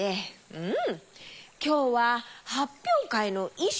うん。